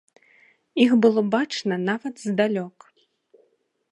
Іх было бачна нават здалёк.